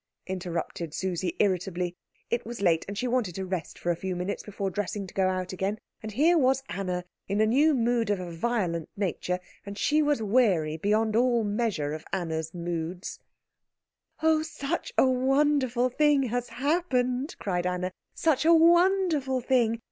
interrupted Susie irritably. It was late, and she wanted to rest for a few minutes before dressing to go out again, and here was Anna in a new mood of a violent nature, and she was weary beyond measure of all Anna's moods. "Oh, such a wonderful thing has happened!" cried Anna; "such a wonderful thing!